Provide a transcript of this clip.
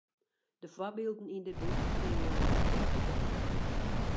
De foarbylden yn dit boek bringe jo fêst op ideeën.